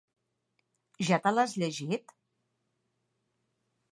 Ja te l'has llegit?